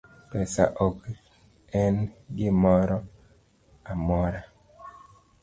Pesa ok en gimoro amora